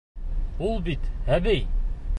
Ул бит әбей!